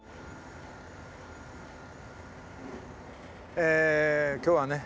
え今日はね